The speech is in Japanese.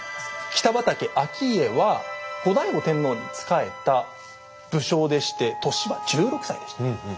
北畠顕家は後醍醐天皇に仕えた武将でして年は１６歳でした。